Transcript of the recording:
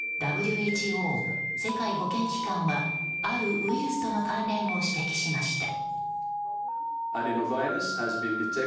ＷＨＯ・世界保健機関はあるウイルスとの関連を指摘しました。